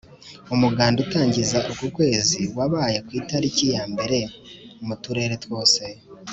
umuganda utangiza uku kwezi wabaye ku itariki ya mbere mu turere twose